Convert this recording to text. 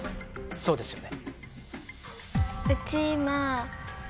そうですよね。